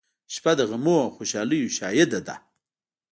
• شپه د غمونو او خوشالیو شاهد ده.